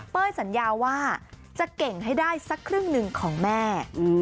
สัญญาว่าจะเก่งให้ได้สักครึ่งหนึ่งของแม่